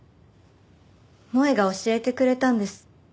萌絵が教えてくれたんです。